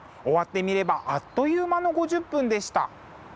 終わってみればあっという間の５０分でした。